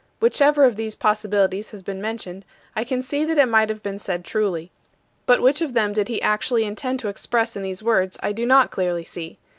Whichever of these possibilities has been mentioned I can see that it might have been said truly. But which of them he did actually intend to express in these words I do not clearly see.